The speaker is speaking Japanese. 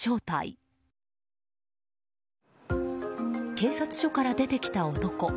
警察署から出てきた男。